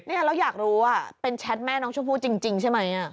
เนี่ยเราอยากรู้เป็นแชทแม่น้องชมพู่จริงใช่ไหม